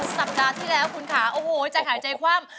สัปดาห์ที่แล้วคุณค่ะโอ้โหใจหายใจคว่ำ